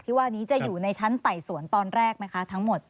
ว่านี้จะอยู่ในชั้นไต่สวนตอนแรกไหมคะทั้งหมด